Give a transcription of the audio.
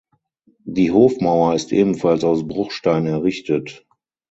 Die Hofmauer ist ebenfalls aus Bruchstein errichtet.